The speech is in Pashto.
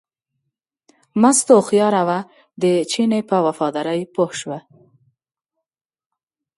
مستو هوښیاره وه، د چیني په وفادارۍ پوه شوه.